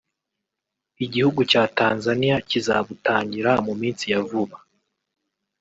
igihugu cya Tanzania kizabutangira mu minsi ya vuba